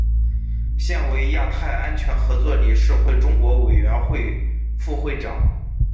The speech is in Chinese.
现为亚太安全合作理事会中国委员会副会长。